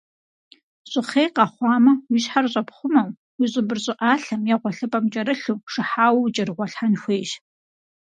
Щӏыхъей къэхъуамэ, уи щхьэр щӏэпхъумэу, уи щӏыбыр щӏыӏалъэм е гъуэлъыпӏэм кӏэрылъу, шыхьауэ укӏэрыгъуэлъхьэн хуейщ.